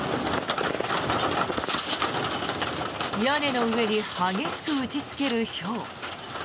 屋根の上に激しく打ちつけるひょう。